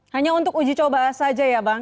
hanya untuk uji coba saja ya bang